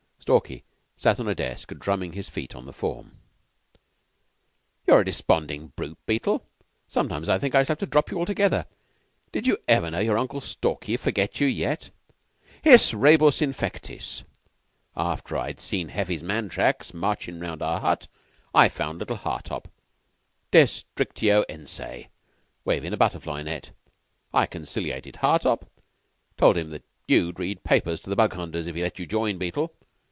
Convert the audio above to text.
Stalky sat on a desk drumming his heels on the form. "You're a despondin' brute, Beetle. Sometimes I think I shall have to drop you altogether. Did you ever know your Uncle Stalky forget you yet? His rebus infectis after I'd seen Heffy's man tracks marchin' round our hut, I found little Hartopp destricto ense wavin' a butterfly net. I conciliated Hartopp. 'Told him that you'd read papers to the Bug hunters if he'd let you join, Beetle.